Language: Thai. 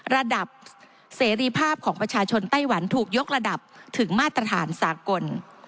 ระดับเสรีภาพของประชาชนไต้หวันถูกยกระดับถึงมาตรฐานสากล